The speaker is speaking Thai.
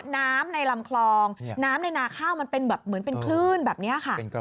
น้ำในลำคลองน้ำในนาข้าวมันเป็นแบบเหมือนเป็นคลื่นแบบนี้ค่ะ